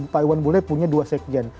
pak iwan bule punya dua set gen